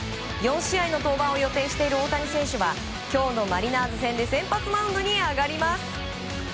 ４試合の登板を予定している大谷選手は今日のマリナーズ戦で先発マウンドに上がります。